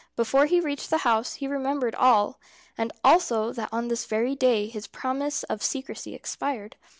Before he reached the house he remembered all, and also that on this very day his promise of secrecy expired.